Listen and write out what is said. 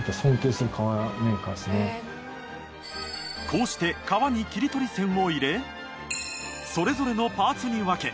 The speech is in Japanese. こうして革に切り取り線を入れそれぞれのパーツに分け